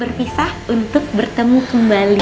berpisah untuk bertemu kembali